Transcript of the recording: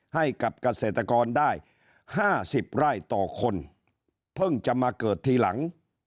ให้กับเกษตรกรได้๕๐ไร่ต่อคนเพิ่งจะมาเกิดทีหลัง